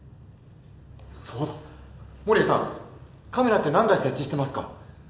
そうだ守屋さんカメラって何台設置してますか？